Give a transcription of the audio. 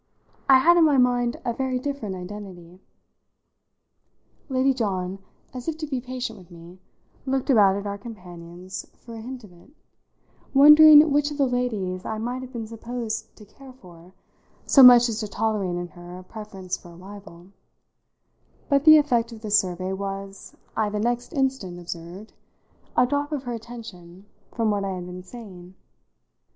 I had in my mind a very different identity." Lady John, as if to be patient with me, looked about at our companions for a hint of it, wondering which of the ladies I might have been supposed to "care for" so much as to tolerate in her a preference for a rival; but the effect of this survey was, I the next instant observed, a drop of her attention from what I had been saying.